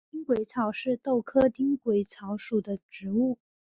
丁癸草是豆科丁癸草属的植物。